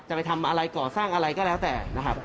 ไปทำอะไรก่อสร้างอะไรก็แล้วแต่นะครับ